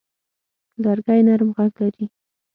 لرګی نرم غږ لري.